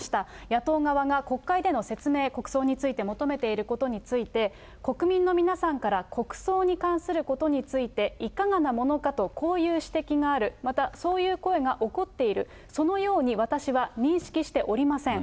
野党側が国会での説明、国葬について求めていることについて、国民の皆さんから、国葬に関することについていかがなものかとこういう指摘がある、またそういう声が起こっている、そのように私は認識しておりません。